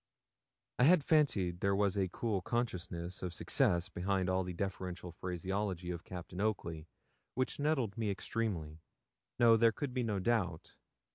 I fancied there was a cool consciousness of success behind all the deferential phraseology of Captain Oakley, which nettled me extremely. No; there could be no doubt.